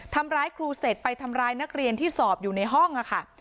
ทำร้ายครูเสร็จไปทำร้ายนักเรียนที่สอบอยู่ในห้องค่ะ